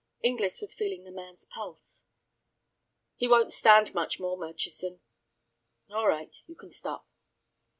Inglis was feeling the man's pulse. "He won't stand much more, Murchison." "All right, you can stop."